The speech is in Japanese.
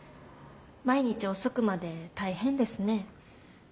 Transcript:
毎日遅くまで大変ですね。